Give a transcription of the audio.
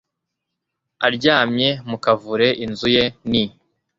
aryamye mu kavure, inzu ye ni